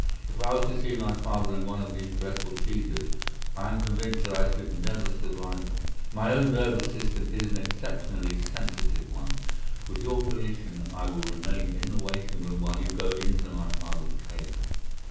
If I were to see my father in one of these dreadful seizures I am convinced that I should never survive it. My own nervous system is an exceptionally sensitive one. With your permission, I will remain in the waiting room while you go into my father's case.